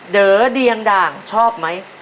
เด๋อเดียงด่างชอบไหม